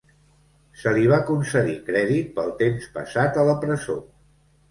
Se li va concedir crèdit pel temps passat a la presó.